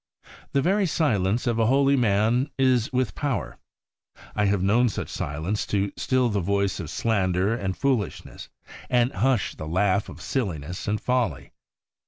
The very silence of a holy man is with power. I have known such silence to still the voice of slander and foolishness, and hush the laugh of silliness and folly.